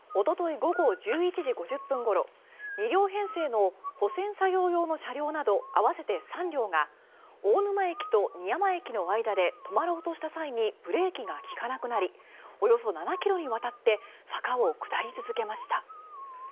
午後１１時５０分ごろ２両編成の保線作業用の車両など合わせて３両が大沼駅と仁山駅の間で止まろうとした際にブレーキが利かなくなりおよそ７ｋｍにわたって坂を下り続けました。